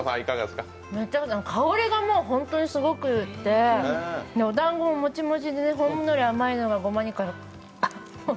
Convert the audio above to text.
香りが本当にすごくって、おだんごももちもちで、ほんのり甘いのがごまにっ。